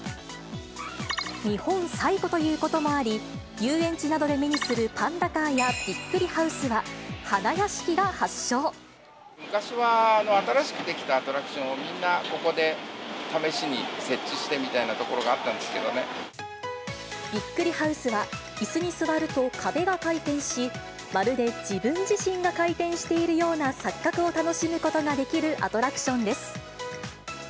日本最古ということもあり、遊園地などで目にするパンダカーやビックリハウスは、昔は、新しく出来たアトラクションをみんなここで試しに設置してみたいビックリハウスは、いすに座ると壁が回転し、まるで自分自身が回転しているような錯覚を楽しむことができるアトラクションです。